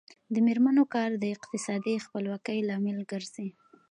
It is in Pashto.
د میرمنو کار د اقتصادي خپلواکۍ لامل ګرځي.